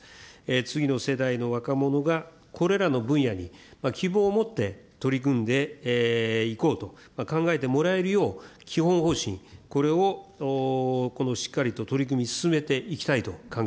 次の世代の若者がこれらの分野に、希望を持って取り組んでいこうと考えてもらえるよう、基本方針、これをこのしっかりと取り組み進